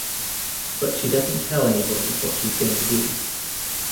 But she doesn't tell anybody what she's going to do.